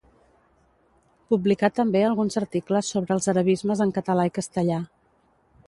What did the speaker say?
Publicà també alguns articles sobre els arabismes en català i castellà.